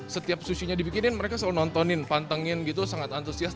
setiap sushi nya dibikinin mereka selalu nontonin pantengin gitu sangat antusias